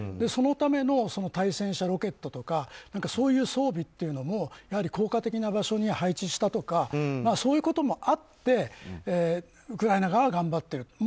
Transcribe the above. そのための対戦車ロケットとかそういう装備というのは効果的な場所に配置したとかそういうこともあってウクライナ側は頑張っている。